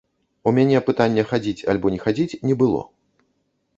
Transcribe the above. У мяне пытання хадзіць альбо не хадзіць, не было.